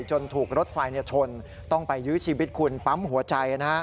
จนถูกรถไฟชนต้องไปยื้อชีวิตคุณปั๊มหัวใจ